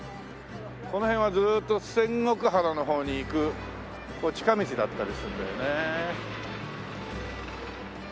この辺はずーっと仙石原の方に行く近道だったりするんだよね。